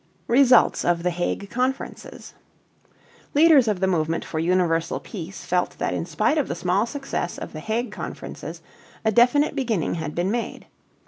RESULTS OF THE HAGUE CONFERENCES. Leaders of the movement for universal peace felt that in spite of the small success of the Hague Conferences a definite beginning had been made.